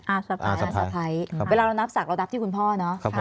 อาร์มสะพ้ายอาร์มสะพ้ายอาร์มสะพ้ายเวลาเรานับสักเรานับที่คุณพ่อเนอะครับผม